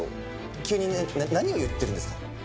急にな何を言ってるんですか？